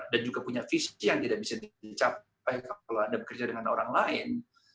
dan juga punya visi yang tidak bisa dicapai kalau anda bekerja dengan orang lain